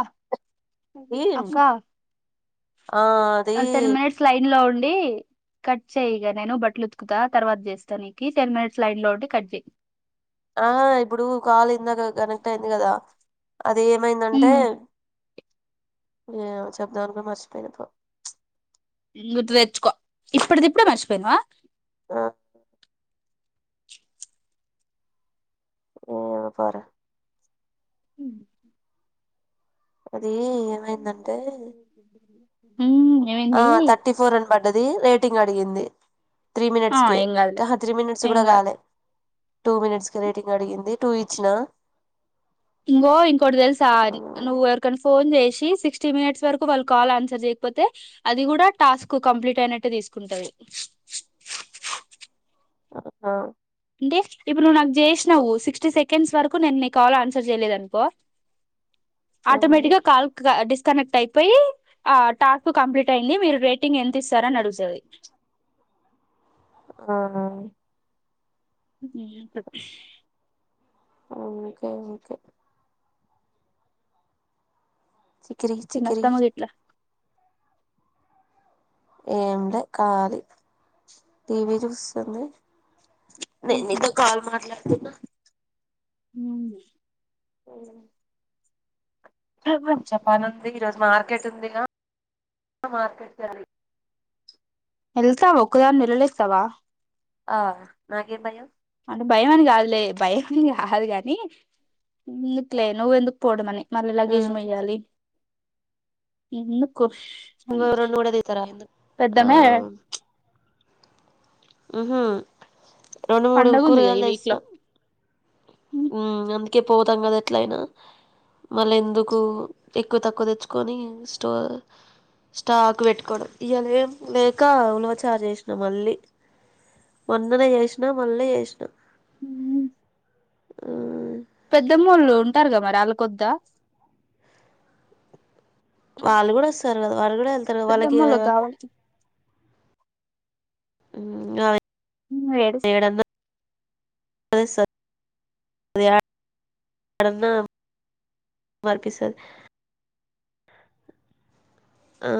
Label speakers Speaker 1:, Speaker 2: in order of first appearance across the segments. Speaker 1: అ
Speaker 2: అది
Speaker 1: అక్కా
Speaker 2: ఆ అది
Speaker 1: ఆ టెన్ మినెట్స్ లైన్ లో ఉండీ కట్ చేయయి ఇక నేను బట్టలు ఉతుకుతా తర్వాత చేస్తాను నీకు టెన్ మినిట్స్ లైడ్ లో ఒకటి కట్ చే
Speaker 2: ఆ ఇప్పుడు కాల్ ఇందాక కనెక్ట్ అయింది కదా అది ఏమైందంటే ఏ చెప్దాం అనుకో మర్చిపోయినప్పు
Speaker 1: గుర్తు తెచ్చుకో ఇప్పటిది ఇప్పుడే మర్చిపోయినువా
Speaker 2: ఆ ఏప
Speaker 1: ఉ
Speaker 2: అది ఏమైందంటే
Speaker 1: ఉమ్
Speaker 2: ఆ
Speaker 1: ఏమైంది
Speaker 2: థర్టీ ఫోర్ అన పడ్డది రేటింగ్ అడిగింది త్రీ
Speaker 1: ఆ
Speaker 2: మినిట్స్ కి
Speaker 1: ఏం కాదులే
Speaker 2: త్రీ మినిట్స్
Speaker 1: ఏం
Speaker 2: కూడా
Speaker 1: కాదు
Speaker 2: కాలే టూ మినిట్స్ క రేటింగ్ అడిగింది టూ ఈచ్నా
Speaker 1: ఇంగో ఇంకోటి తెలుసా నువ్వు ఎవరికన్నా ఫోన్ చేసి సిక్స్టీ మినిట్స్ వరకు వాళ్ళు కాల్ ఆన్సర్ చేయకపోతే అది కూడా టాస్క్ కంప్లీట్ అయినట్టు తీసుకుంటంది
Speaker 2: అ
Speaker 1: అంటే ఇప్పుడు నువ్వు నాకు చేసినావు సిక్స్టీ సెకండ్స్ వరకు నేను నీ కాల్ ఆన్సర్ చేయలేదు అనుకో
Speaker 2: ఆ
Speaker 1: ఆటోమేటిక్గా కాల్ కనెక్ట్ అయిపోయి ఆ టాస్క్ కంప్లీట్ అయింది మీరు రేటింగ్ ఎంత ఇస్తారని అడుగుతుది
Speaker 2: ఆ
Speaker 1: స
Speaker 2: ఓకే ఓకే చికిరి చకిరి
Speaker 1: చిన్నత్తమ్మ గిట్లా
Speaker 2: ఏమింట కాలీ టీవీ చూస్తుంది న నత కల్ మారలా తనా
Speaker 1: ఉ
Speaker 2: అవు జప్పన ఈ రోజు మార్కెట్ ఉంది మార్కెట్ చ
Speaker 1: వెళ్తావా ఒకక్కదాని నిలలేస్తావా
Speaker 2: ఆ నాగ భయా
Speaker 1: రాదు కాని ఇందుకులే నువ్వు ఎందుకు పోవడ అని మళ్ళీ లగేజం వయాలి ఇన్న కురి
Speaker 2: ఇ రెం ఊడదతారా ఇంద ఆ
Speaker 1: పెద్దమ్మే
Speaker 2: రెండు మూడు
Speaker 1: పండగ ఉందిగా ఈ
Speaker 2: కూరగాయలు
Speaker 1: వీక్ లో
Speaker 2: వేస్తాం ఉ అందుకే పోదాం కదా ఎట్ల అయినా మళ్ళ ఎందుకు ఎక్కువ తక్కువ తెచ్చుకొని స్టోవ స్టాక్ పెట్టుకోవడం ఇవ లేం లేక ఉలువ చార్జ్ చేసినా మళ్ళీ వందనే చేసినా మళ్ళీ చేసినా
Speaker 1: హ
Speaker 2: ఆ
Speaker 1: ళ్ళు ఉంటారు కద మరి అళ్లకొద్ద
Speaker 2: వాళ్ళు కూడా వస్తారు కదా వాళ్ళు కూడా వెళ్తారుదా వాళ్ళకి
Speaker 1: పెద్దమ్మోళ్ళకి కావాలి
Speaker 2: ఆ
Speaker 1: న ఏ
Speaker 2: అదే స పన్నా వర్పిస ఆ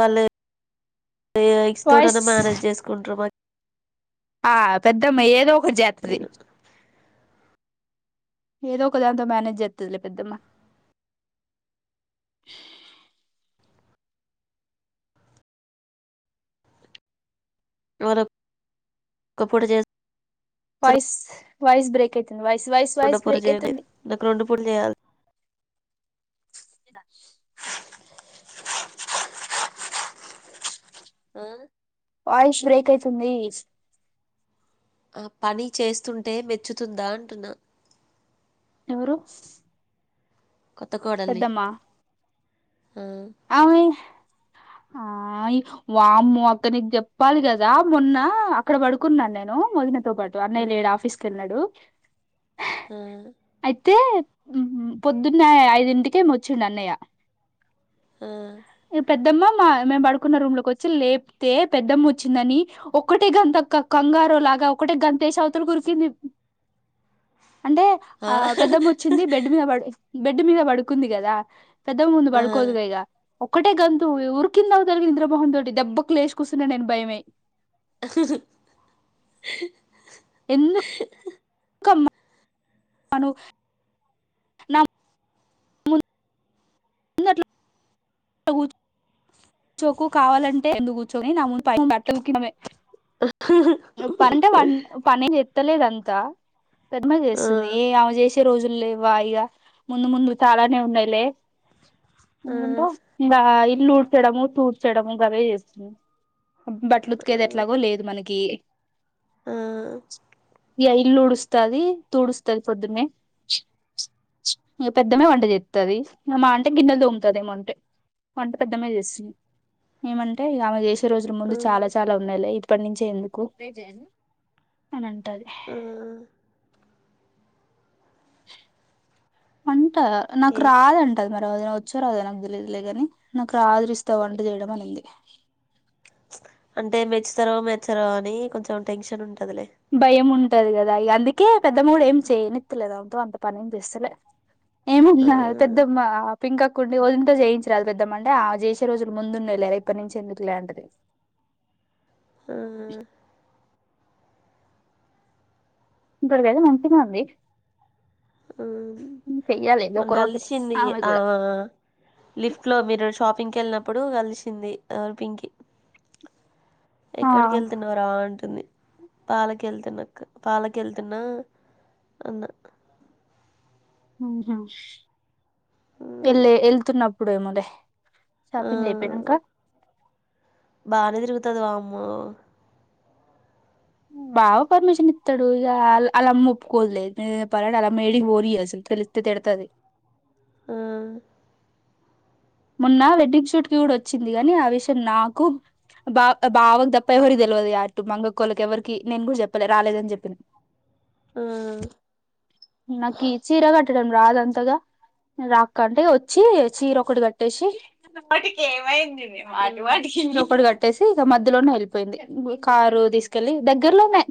Speaker 2: వాళ్ళు ఎక్స్ తోటనా
Speaker 1: వాయిస్
Speaker 2: మేనేజ్ చేసుకుంటారు మా
Speaker 1: ఆ పెద్దమ్మ ఏదో ఒకటి జతది
Speaker 2: నేను
Speaker 1: ఏదో ఒక దాంతో మేనేజ్ చేస్తుందిలే పెద్దమ్మ
Speaker 2: వరు [inaudible] కప్పుడు జే
Speaker 1: వాయిస్ వాయిస్ బ్రేక్ అయితుంది వాయిస్ వాయిస్ వాయిస్ బ్రేక్ అయితుంది
Speaker 2: జేయల్ ఇద మ్మ్
Speaker 1: వాయిష్ బ్రేక్ అయితుంది
Speaker 2: ఆ పని చేస్తుంటే మెచ్చుతుందా అంటున్నా
Speaker 1: ఎవరు
Speaker 2: కొత్త కోడాల్ని
Speaker 1: పెద్దమ్మ ఆమె ఆ వామ్మో అక్క నీకు చెప్పాలి కదా మొన్న అక్కడ పడుకున్నా నేను వదినతో పాటు
Speaker 2: ఆ
Speaker 1: అన్నయ్య లేడు ఆఫీకెళ్ళాడు
Speaker 2: ఆ
Speaker 1: అయితే మ్మ్ హు పొద్దున్న ఐదింటికేమో వచ్చిండు అన్నయ్య
Speaker 2: మ్మ్
Speaker 1: పెద్దమ్మ మా మేము పడుకున్న రూమ్ లోకి వచ్చి లేపితే పెద్దమ్మ వచ్చిందని ఒకటే గంత అక్క కంగా రులాగా ఒకటే గంతేశ్ అవతల్కి ఉరికింది అంటే ఆ పెద్దమ్మ వచ్చింది బెడ్ మీద పడు బెడ్ మీద పడుకుంది కదా పెద్దమ్మ ముందు
Speaker 2: ఆ
Speaker 1: పడుకోదుగా ఇగ ఒక్కటే గంతు ఉరికింది అవతల్కి నిద్రమోహం తోటి దెబ్బకు లేచి కూసున్నా నేను భయమై ఎందు కమ్మ అను న ముంగట్లో కూర్చోకు కావాలంటే కింద కూర్చొని నా మున్ పైన బట్టలు ఉతికింది ఆమె అంటే వంట పని ఏం జేయదు తెలీదంతా తత్మియ్ చేస్తుంది ఏ ఆమె జేసి తి రోజు లేవా ఇగ ముందు ముందు చాలానే ఉన్నాయిలే
Speaker 2: ఆ
Speaker 1: ఇంగ ఇల్లు ఊడ్చడము తూడ్చడము గదే చేస్తుంది బట్టలు ఉతికేది ఎట్లాగో లేదు మనకి
Speaker 2: ఆ
Speaker 1: ఇగ ఇల్లు ఉడుస్తాది తుడుస్తది పొద్దునే ఇంక పెద్దమే వంట చేత్తది మా అంటే గిన్నెలు దోముతది ఏమో అంతే వంట పెద్దమే చేస్తుంది ఏమంటే ఇగ ఆమె చేసే రోజుల
Speaker 2: ఆ
Speaker 1: ముందు చాలా చాలా ఉన్నాయిలే ఇ ఇప్పటి నించే ఎందుకు అని అంటది
Speaker 2: ఆ
Speaker 1: అంట నాకు
Speaker 2: ఏ
Speaker 1: రాదంటది మరి రాదునో వచ్చో రాదో నాకు దెలీదులేగాని నాకు రిషిత వంట చేయడం అనింది
Speaker 2: అంటే మెచ్చుతారో మెచ్చరో అని కొంచెం టెన్షన్ ఉ
Speaker 1: భయము ఉంటది కదా అందుకే పెద్ద గూడా ఏం చేయనిత్తలేదామె తో అంత పని ఏం చేస్తలే ఏమ్
Speaker 2: ఆ
Speaker 1: అన్నాది పెద్దమ్మ పింకక్క ఉండి వదినతో చేయించరాదు పెద్దమ్మ అంటే ఆమె జేసే రోజులు ముందున్నయ్ లే ఇప్పటి నించే ఎందుకు లే అంటది
Speaker 2: ఆ
Speaker 1: ఇంకొరిదైతే కదా మంచిగా ఉంది
Speaker 2: అవును
Speaker 1: చెయ్యాలేదు
Speaker 2: మొన్న
Speaker 1: ఒక రోజు
Speaker 2: గలిసింది
Speaker 1: ఆమె
Speaker 2: ఆ
Speaker 1: కూడా
Speaker 2: లిఫ్ట్ లో మీరు షాప్ షాపింగ్ కెళ్ళినప్పుడు కలిసింది ఆ పింకీ
Speaker 1: ఆ
Speaker 2: ఎక్కడి కెళ్తున్నావ్రా అంటు ంది. పాలకేళ్తున్నా అక్క పాల కెల్తున్నా అన్న
Speaker 1: మ్ హు వెళ్ళే వెళ్తున్నప్పుడేమోలే
Speaker 2: ఆ
Speaker 1: షాపింగ్ అయిపోయినంక
Speaker 2: బానే తిరుగుతది వామ్మో
Speaker 1: బావ పర్మిషన్ ఇత్తాడు ఇగ ఆల్ అల్లమ్మా ఒప్పుకోదులే పరరోటాలమ్ము యేడికి బోనీదసలు తెలిస్తే తిడతది.
Speaker 2: ఆ
Speaker 1: మొన్న వెడ్డింగ్ షూట్కి కూడా వచ్చింది గానీ ఆ విషయం నాకు బా బావకు తప్ప ఎవరికి తెలవదు అటు మంగక్కోల్లకి ఎవ్వరికి నేను కూడా చెప్పలే రాలేదని చెప్పిన
Speaker 2: ఆ
Speaker 1: నాకి చీర కట్టు కోవడం రాదంతగా రాక్క అంటే వచ్చి చీర ఒకటి కట్ ట్టేసి
Speaker 2: ఆ
Speaker 1: చీర ఒకటి ట్టేసి ఇక మధ్యలోనే వెల్పోయింది. కారు తీసుకెళ్ళలి దగ్గరలోనే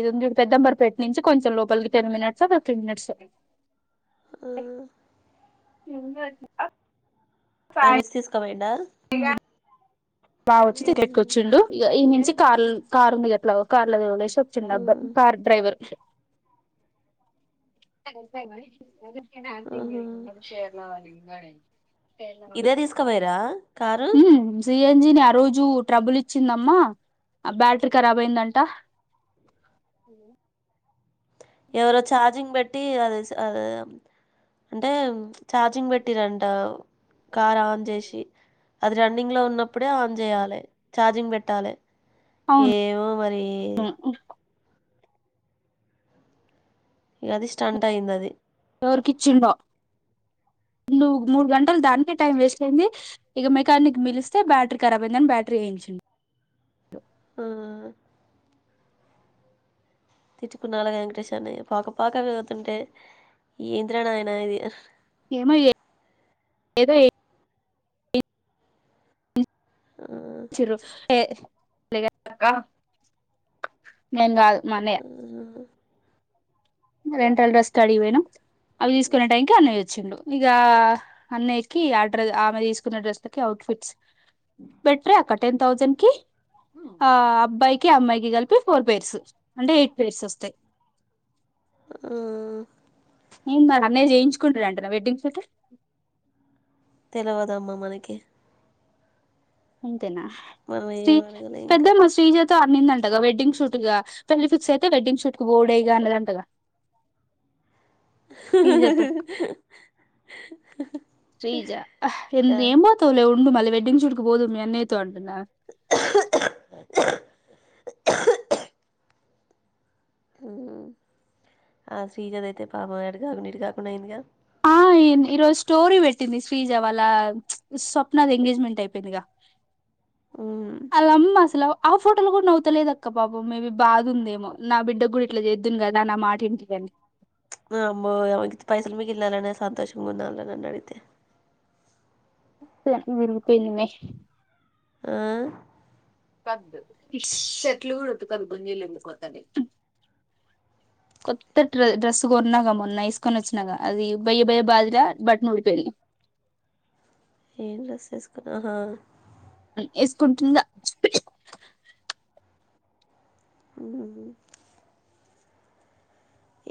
Speaker 1: ఇదుంది చూడు పెద్దంబర్ పెట్ నుంచి కొంచెం లోపలికి టెన్ మినిట్సో ఫిఫ్టీన్ మినిట్సో
Speaker 2: ఆ
Speaker 1: [unintelligible]
Speaker 2: ఆయనోచ్చి తీస్క పోయిండ
Speaker 1: ఇగ బావొచచ్చి ఎక్కొచ్చుండు ఈడ్నుంచి కార్ కార్ ఉంది అట్లా కార్లో తోలే చ్చిందబ్బా కార్ డ్రైవర్ ఎ మ షేర్ల ఉ
Speaker 2: ఇదే తీసుకపోయిరా కారు
Speaker 1: మ్మ్ జీ సిఎన్జిని ఆ రోజు ట్రబుల్ ఇచ్చిందమ్మా ఆ బ్యాటరీ ఖరాబ్ అయిందంట మ్
Speaker 2: ఎవరో ఛార్జింగ్ పెట్టి అది సో అది అంటే చార్జింగ్ పెట్టిరంట కార్ ఆన్ చేసి అది రన్నింగ్లో ఉన్నప్పుడే ఆన్ చేయాలే ఛార్జింగ్ పెట్టాలే.
Speaker 1: అవును
Speaker 2: ఏమో మరి ఇక అది స్టంట్ అయిందది.
Speaker 1: ఎవరికిచ్చిండో వీళ్ళు మూడు గంటలు దానికే టైం వేస్ట్ అయింది. ఇక మెకానిక్ని పిలిస్తే బ్యాటరీ ఖరాబ్ అయిందని బ్యాటరీ ఏయించ ంచుండు
Speaker 2: ఆ తిట్టుకున్నాడా వెంకటేష్ అన్నయ్య పాక పాక పోతుంటే ఏందిరా నాయన ఇది.
Speaker 1: ఏమో ఏ ఏదో ఏ ఎ
Speaker 2: ఆ
Speaker 1: [unintelligible] నేన్ కాదు. మా
Speaker 2: ఆహా
Speaker 1: రెంటడ్రెస్ అడిగి పోయినం. అవి తీసుకునే టైంకి అన్నయ్య వచ్చిండు ఇగా అన్నయ్యకి ఆడ్ర ఆమె తీసుకున్న డ్రెస్లకి ఔట్ఫిట్స్ బెట్రే అక్క టెన్ థౌసండ్కి ఆ అబ్బాయికి అమ్మాయికి కలిపి ఫోర్ పెయిర్స్ అంటే ఎయిట్ పెయిర్స్ వస్తాయ్.
Speaker 2: ఆ
Speaker 1: ఏం మరి అన్నయ్య చేయించుకుంటడంటన వెడ్డింగ్ సెట్
Speaker 2: తేల్వదమ్మా మనకి.
Speaker 1: ఇంతేనా
Speaker 2: మనం
Speaker 1: శ్రీ
Speaker 2: ఏం అడగలే ఇంకా
Speaker 1: పెద్దమ్మ శ్రీజ తో అన్నిందంటగా వెడ్డింగ్ షూట్ ఇగా పెళ్లి ఫిక్స్ అయితే వెడ్డింగ్ షూట్ కు పోవుడే ఇగ అన్నది అంటగా శ్రీజతో శ్రీజా ఏం ఆహ్ ఏ
Speaker 2: ఆ,
Speaker 1: ఏం పోతవులే ఉండు మళ్ళీ వెడ్డింగ్ షూట్ కు పోదువు మీ అన్నయ్య తో అన్ అనా
Speaker 2: ఊ ఆ శ్రీజదయితే పాపం ఎటు కాకుండా ఇటు కాకుండాయిందిగా
Speaker 1: ఈన్ ఈరోజు స్టోరీ పెట్టింది శ్రీజ వాళ్ళ స్వప్నది ఎంగేజ్మెంట్ అయిపోయిందిగా
Speaker 2: హ్మ్
Speaker 1: అళ్లమ్మ అసలు ఆ ఫోటోలు కూడా నవ్వుతలేదు అక్కా పాపం మేబీ బాదుందేమో నా బిడ్డ కూడా ఇట్లా చేద్దును కదా నా మాట ఇంటికని ఉ
Speaker 2: ఆమ్మో అమకింత పైసలు మిగిలియ్ లనే సంతోషంగా ఉంది ఆమె నన్నడిగితే
Speaker 1: సేసగిరికి పెళ్లిమీ
Speaker 2: ఆ
Speaker 1: కదు ష్ చెట్లు కూడా ఉతకదు బంగీలు ఎంది పోతది కొత్త డ్రె డ్రెస్ కొన్నాక మొన్న వేసుకొని వచ్చినాక అది బయ్య బయ్య బాధనా బటన్ ఉడిపోయింది
Speaker 2: ఏం డ్రెస్ ఏసుకున్న ఆహా
Speaker 1: ఏసుకుంటుందా
Speaker 2: ఊ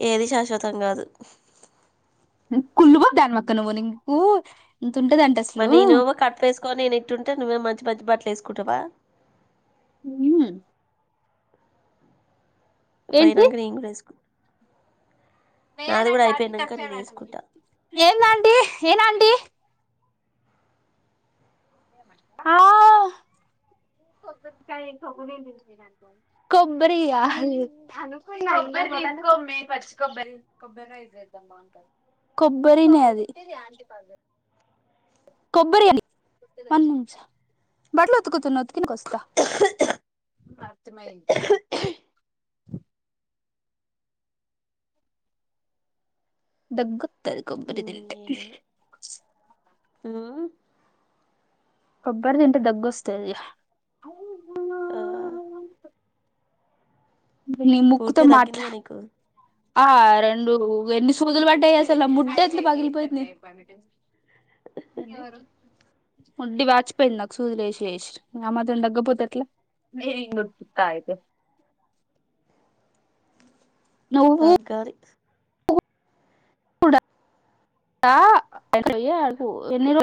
Speaker 2: ఏది శాశ్వతం కాదు
Speaker 1: నువ్ కుల్ బోద్ దానివక్క నువ్వు నీకు ఉ
Speaker 2: మరి నేనేమో కట్ వేసుకొని నేను ఇట్టు ఉంటే నువ్వే మంచి మంచి బట్టలు వేసుకుంటవా
Speaker 1: ఊ ఏంటిది
Speaker 2: పోయినంక నేన్ కూడా ఏసుకున్
Speaker 1: లేలంట ఆంటికి
Speaker 2: అయిపోయినాంక నేను
Speaker 1: నచ్చడంట మరి
Speaker 2: వేసుకుంటా
Speaker 1: ఏందాన్టీ ఏనాంటీ ఆవ్ కొబ్బరి ఆలు కొబ్బరి కొబ్ మే పచ్చి కొబ్బరి కొబ్బరైస్ చేద్దాం బాగుంటది కొబ్బరినే అది కొబ్బరియది బట్ల ఒతుకుతున్నా ఉతుక్ తినుకొస్తా అర్థమైతుంది దగ్గొతది కొబ్బరి దింటే
Speaker 2: టువా
Speaker 1: కొబ్బరి తింటే దగ్గొస్తది ఇగ
Speaker 2: ఆ
Speaker 1: ఇపు నీ ముక్కుతో
Speaker 2: పూర్తిగా
Speaker 1: మాట్లా
Speaker 2: తగ్గిందిగా నీకు
Speaker 1: ఆ రెండు ఎన్ని సూదులు వడ్డయ్ అసలు ఆ ముడ్డ ఎట్లా పగిలిపోయింది అది ఎవరు ముడ్డి వాచిపోయింది నాకు సూదు ఏసి ఏసీ ఆ మాత్రం తగ్గపోతే ఎట్లా ఏం గుత్తు తాయితే నువ్వు
Speaker 2: తాగలి
Speaker 1: పుడ ఆ అటు ఓయ్యే ఆడుపు ఎన్ని రో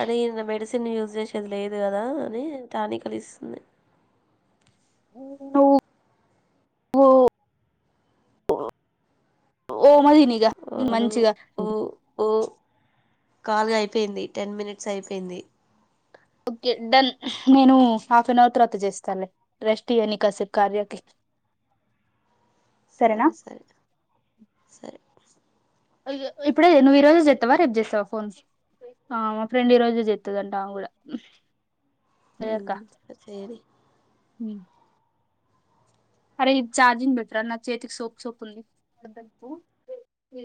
Speaker 2: అడిగిన మెడిసిన్ యూజ్ చేసేది లేదు కదా అని టానీకలిస్తుంది
Speaker 1: ను వు ఓమ దినిగ
Speaker 2: అవును ఊ ఊ కాల్గాయిపోయింది టెన్ మినట్స్ అయిపోయింది
Speaker 1: ఓకే డన్ నేను హాఫ్ అన్ అవర్ తర్వాత జేస్తాన్లే, రెస్ట్ ఇయనీ కాసేప్ కార్యాకి.
Speaker 2: సరె సరె సరే
Speaker 1: అయ్యో నువ్ ఇప్పుడే నువ్వు ఈ రోజు జేత్తవా రేప్ జేస్తవా ఫోన్స్. ఆ మా ఫ్రెండ్ ఈ రోజు చెత్తదంట ఆమె గూడా
Speaker 2: ఊమ్ ఆ చేయని
Speaker 1: ఉ అరే ఇది చార్జిన్ బట్ర నా చేతికి సోప్ సోప్ ఉంది